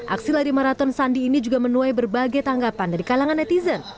aksi lari maraton sandi ini juga menuai berbagai tanggapan dari kalangan netizen